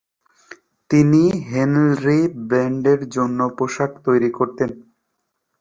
তিনি হেনরি বেন্ডেলের জন্য পোশাকও তৈরি করতেন।